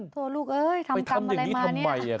โทษลูกเอ้ยทำกรรมอะไรมาเนี่ย